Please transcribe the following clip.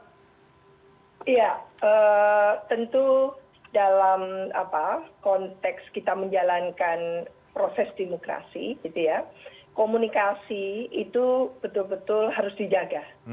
iya tentu dalam konteks kita menjalankan proses demokrasi komunikasi itu betul betul harus dijaga